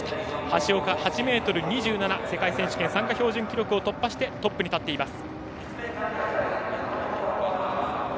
橋岡、８ｍ２７世界選手権、参加標準記録を突破してトップに立っています。